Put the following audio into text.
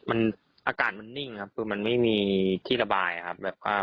อากาศมันนิ่งครับมันไม่มีที่ระบายครับ